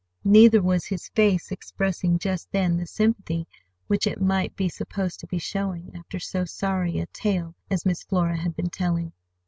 Neither was his face expressing just then the sympathy which might be supposed to be showing, after so sorry a tale as Miss Flora had been telling.